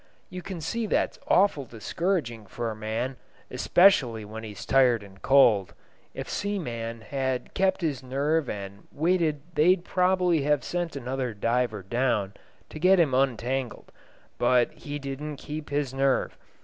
You can see that's awful discouraging for a man, especially when he's tired and cold. If Seaman had kept his nerve and waited they'd prob'bly have sent another diver down to get him untangled, but he didn't keep his nerve.